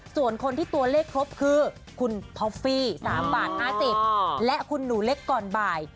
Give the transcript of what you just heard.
ส่วนคนที่ตัวเลขครบคือคุณท็อฟฟี่๓บาท๕๐และคุณหนูเล็กก่อนบ่าย